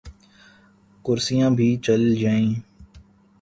کرسیاں بھی چل جائیں۔